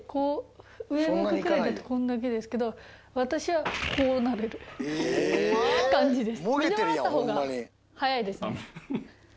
上向くくらいだとこんだけですけど私はこうなれる感じです。